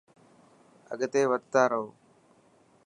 اڳتي وڌندا رهو.